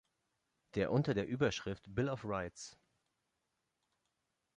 Der unter der Überschrift „Bill of Rights.